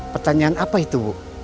pertanyaan apa itu bu